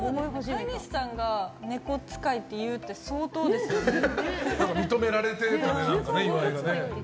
飼い主さんがネコ使いって言うって認められてるんだね、岩井が。